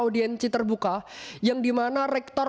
audiensi terbuka yang dimana rektor